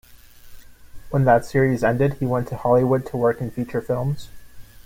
When that series ended, he went to Hollywood to work in feature films.